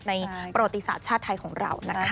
ประวัติศาสตร์ชาติไทยของเรานะคะ